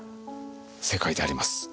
正解であります。